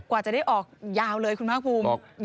กว่าจะได้ออกยาวเลยคุณภาคภูมิ